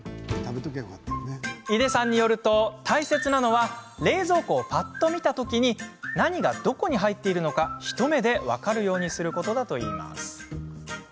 井出さんによると、大切なのは冷蔵庫をぱっと見た時に何がどこに入っているのか一目で分かるようにすることだといいます。